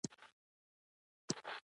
د نېکمرغه لوی اختر د رارسېدو .